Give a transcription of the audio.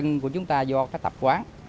người dân của chúng ta do các tập quán